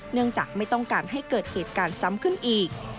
เนื่องจากไม่ต้องการให้เกิดเหตุการณ์ซ้ำขึ้นอีก